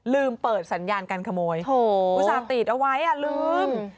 ลืมเปิดสัญญาการขโมยอุตส่าห์ติดเอาไว้ลืม